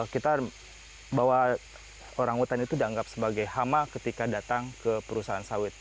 kita bahwa orang hutan itu dianggap sebagai hama ketika datang ke perusahaan sawit